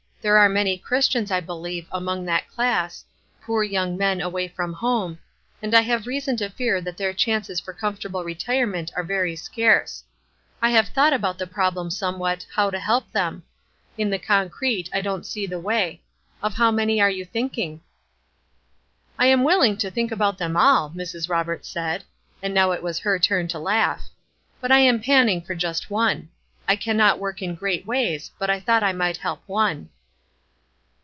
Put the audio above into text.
There are many Christians, I believe, among that class, poor young men, away from home, and I have reason to fear that their chances for comfortable retirement are very scarce. I have thought about the problem somewhat how to help them. In the concrete, I don't see the way. Of how many are you thinking?" "I am willing to think about them all," Mrs. Roberts said, and now it was her turn to laugh, "but I am panning for just one. I cannot work in great ways, but I thought I might help one."